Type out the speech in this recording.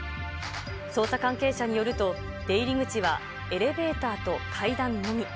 捜査関係者によると、出入り口はエレベーターと階段のみ。